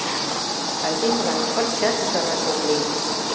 Айдемылан пырчат ӱшанаш ок лий.